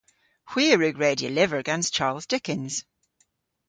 Hwi a wrug redya lyver gans Charles Dickens.